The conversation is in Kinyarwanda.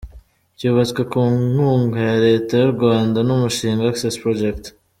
Cyubatswe ku nkunga ya Leta y’u Rwanda n’umushinga Access Project.